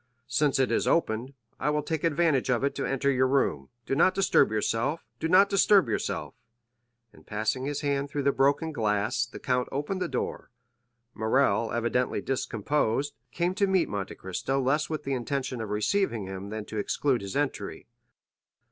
Since it is opened, I will take advantage of it to enter your room; do not disturb yourself—do not disturb yourself!" And passing his hand through the broken glass, the count opened the door. Morrel, evidently discomposed, came to meet Monte Cristo less with the intention of receiving him than to exclude his entry.